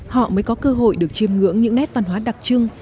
họ mới có cơ hội được chiêm ngưỡng những nét văn hóa đặc trưng